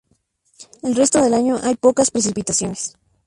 El resto del año hay pocas precipitaciones.